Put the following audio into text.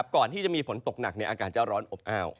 ก่อนที่จะมีฝนตกหนักอากาศจะร้อนอบอ้าว